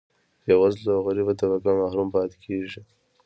بیوزله او غریبه طبقه محروم پاتې کیږي.